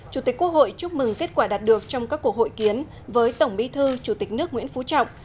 chủ tịch quốc hội chúc mừng kết quả đạt được trong các cuộc hội kiến với tổng bí thư chủ tịch nước nguyễn phú trọng